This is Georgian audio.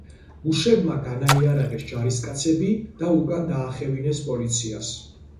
მუშებმა განაიარაღეს ჯარისკაცები და უკან დაახევინეს პოლიციას.